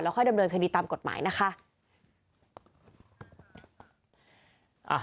แล้วค่อยดำเนินทางดีตามกฎหมายนะคะ